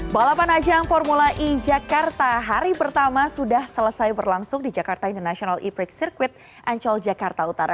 balapan ajang formula e jakarta hari pertama sudah selesai berlangsung di jakarta international e prix circuit ancol jakarta utara